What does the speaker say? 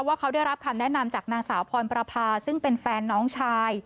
ว่าเขาได้รับคำแนะนำจากนางสาวพรประพาซึ่งเป็นแฟนน้องชาย